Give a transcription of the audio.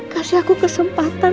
kasih aku kesempatan